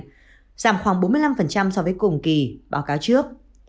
giảm khoảng bốn mươi năm so với cùng kỳ báo cáo trước